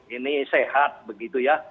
ini sehat begitu ya